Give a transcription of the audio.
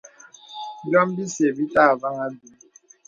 Bīòm bìsə bítà àvāŋhī àbīm.